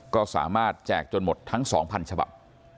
ก็สามารถแจกจนหมดทั้ง๒๐๐ฉบับ